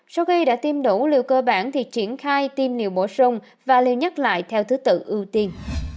sau khi đã tiêm đủ liều cơ bản thì triển khai tiêm liều bổ sung và liều nhắc lại theo thứ tự ưu tiên